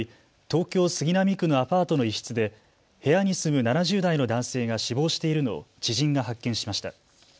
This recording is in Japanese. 東京杉並区のアパートの一室で部屋に住む７０代の男性が死亡しているのを知人が発見しました。